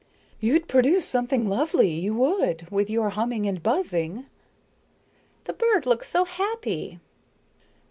"You'd produce something lovely, you would, with your humming and buzzing." "The bird looks so happy."